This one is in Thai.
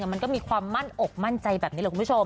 มันก็มีความมั่นอกมั่นใจแบบนี้แหละคุณผู้ชม